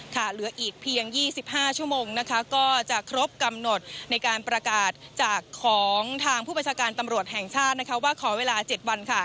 เหลืออีกเพียง๒๕ชั่วโมงนะคะก็จะครบกำหนดในการประกาศจากของทางผู้ประชาการตำรวจแห่งชาตินะคะว่าขอเวลา๗วันค่ะ